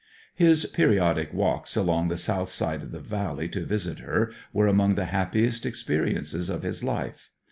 His periodic walks along the south side of the valley to visit her were among the happiest experiences of his life.